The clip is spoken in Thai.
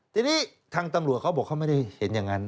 ทีนี้ทางตำรวจเขาบอกเขาไม่ได้เห็นอย่างนั้น